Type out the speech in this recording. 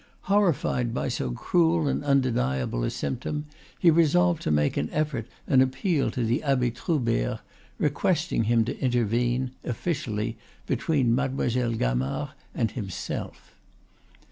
Horrified by so cruel and undeniable a symptom, he resolved to make an effort and appeal to the Abbe Troubert, requesting him to intervene, officially, between Mademoiselle Gamard and himself.